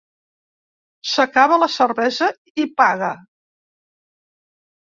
S'acaba la cervesa i paga.